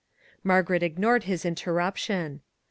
Margaret ignored his interruption.